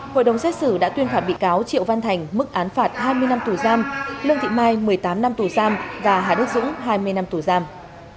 hội đồng xét xử đã tuyên phạt bị cáo triệu văn thành mức án phạt hai mươi năm tù giam lương thị mai một mươi tám năm tù giam và hà đức dũng hai mươi năm tù giam